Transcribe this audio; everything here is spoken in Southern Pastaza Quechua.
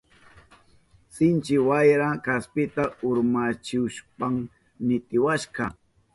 Sinchi wayraka kaspita urmachihushpan nitiwashka.